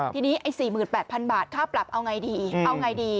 ทีนี้๔๘๐๐๐บาทค่าปรับเอาไงดีเอาไงดี